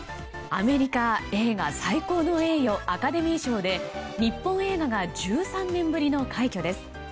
アメリカ映画最高の栄誉アカデミー賞で日本映画が１３年ぶりの快挙です。